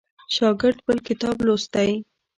شاګرد بل کتاب لوستی.